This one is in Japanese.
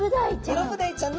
イロブダイちゃん。